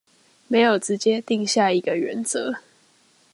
沒有直接定下一個原則